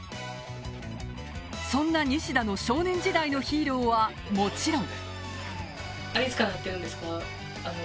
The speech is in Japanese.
そんな西田の少年時代のヒーローはもちろん。